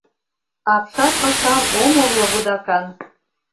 Апшат пашам ом орло вудакан.